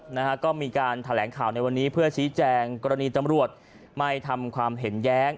นะฮะก็มีการแถลงข่าวในวันนี้เพื่อชี้แจงกรณีตำรวจไม่ทำความเห็นแย้ง